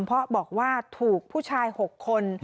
เพราะบอกว่าถูกผู้ชาย๖คน